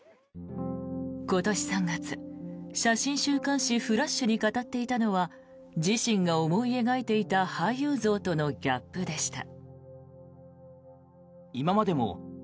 今年３月、写真週刊誌「ＦＬＡＳＨ」に語っていたのは自身が思い描いていた俳優像とのギャップでした。